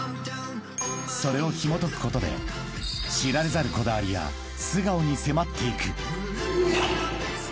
［それをひもとくことで知られざるこだわりや素顔に迫っていく］